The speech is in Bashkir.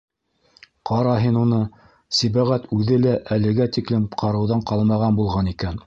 Ҡара һин уны, Сибәғәт үҙе лә әлегә тиклем ҡарыуҙан ҡалмаған булған икән...